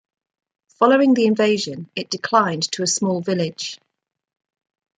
Following the invasion, it declined to a small village.